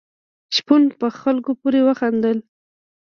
شپون په خلکو پورې وخندل.